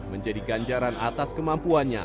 menjadi ganjaran atas kemampuannya